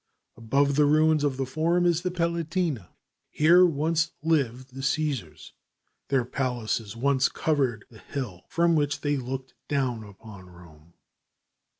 Above the ruins of the Forum is the Palatine. Here once lived the Caesars. Their palaces once covered the hill from which they looked down upon Rome.